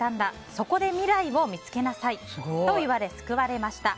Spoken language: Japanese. そこで未来を見つけなさいと言われ、救われました。